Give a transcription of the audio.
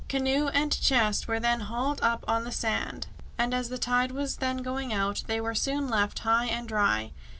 Canoe and chest were then hauled up on the sand, and as the tide was then going out, they were soon left high and dry.